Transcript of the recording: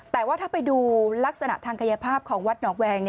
แต่ว่าถ้าไปดูลักษณะทางกายภาพของวัดหนองแวง